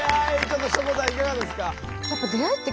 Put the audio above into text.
ちょっとしょこたんいかがですか？